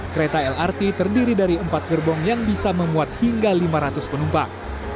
kereta lrt terdiri dari empat gerbong yang bisa memuat hingga lima ratus penumpang